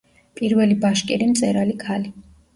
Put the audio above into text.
პირველი ბაშკირი მწერალი ქალი.